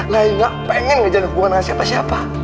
lagi gak pengen ngejar hubungan sama siapa siapa